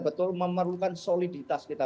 betul memerlukan soliditas kita